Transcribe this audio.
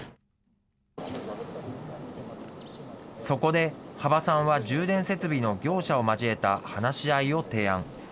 そこで幅さんは充電設備の業者を交えた話し合いを提案。